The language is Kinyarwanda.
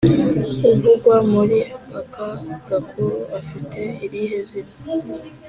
Uvugwa muri aka gakuru afite irihe zina?